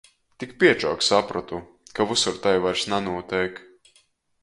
Tik piečuok saprotu, ka vysur tai vairs nanūteik.